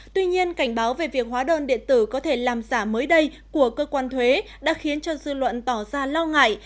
tuy nhiên cảnh báo về việc hóa đơn điện tử có thể làm giả mới đây của cơ quan thuế đã khiến cho dư luận tỏ ra lo ngại